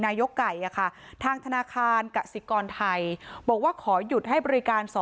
นายกไก่ทางธนาคารกสิกรไทยบอกว่าขอหยุดให้บริการ